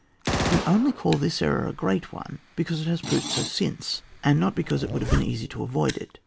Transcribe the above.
We only call this error a great one because it has proved so since, and not because it would have been easy to avoid it.